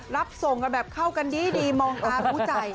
รับส่งกันแบบเข้ากันดีมองตาคู่ใจ